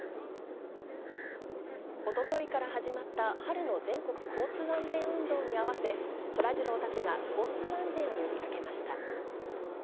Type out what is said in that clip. おとといから始まった春の全国交通安全運動に合わせ、そらジローたちが交通安全を呼びかけました。